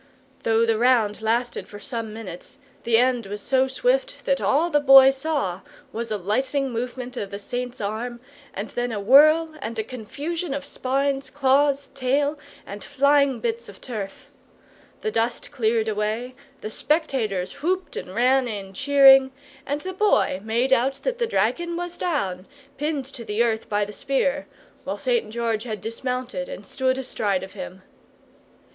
Though the round lasted for some minutes, the end was so swift that all the Boy saw was a lightning movement of the Saint's arm, and then a whirl and a confusion of spines, claws, tail, and flying bits of turf. The dust cleared away, the spectators whooped and ran in cheering, and the Boy made out that the dragon was down, pinned to the earth by the spear, while St. George had dismounted, and stood astride of him.